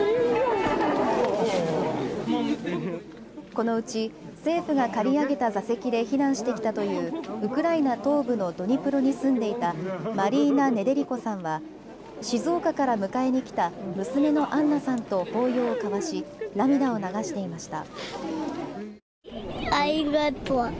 このうち政府が借り上げた座席で避難してきたというウクライナ東部のドニプロに住んでいたマリーナ・ネデリコさんは静岡から迎えに来た娘のアンナさんと抱擁を交わし涙を流していました。